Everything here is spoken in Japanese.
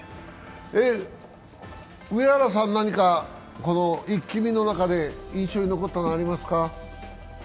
上原さん、「イッキ見」の中で印象に残ったものありますか？